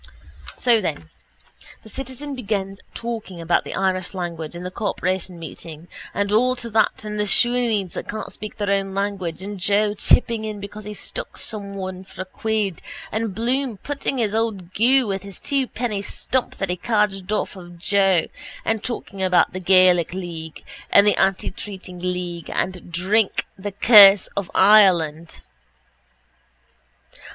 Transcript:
So then the citizen begins talking about the Irish language and the corporation meeting and all to that and the shoneens that can't speak their own language and Joe chipping in because he stuck someone for a quid and Bloom putting in his old goo with his twopenny stump that he cadged off of Joe and talking about the Gaelic league and the antitreating league and drink, the curse of Ireland.